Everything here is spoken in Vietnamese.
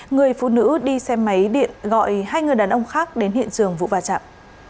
người phụ nữ đi xe máy điện gọi hai người đàn ông khác đến hiện trường vụ va chạm